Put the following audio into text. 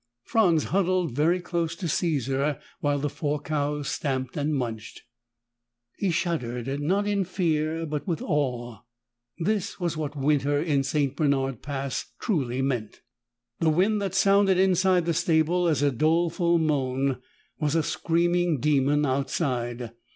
Franz huddled very close to Caesar while the four cows stamped and munched. He shuddered, not in fear but with awe. This was what winter in St. Bernard Pass truly meant. The wind that sounded inside the stable as a doleful moan, was a screaming demon outside.